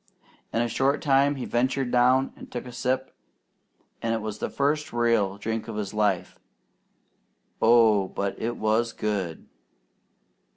In a short time he ventured down and took a sip, and it was the first real drink of his life. Oh, but it was good!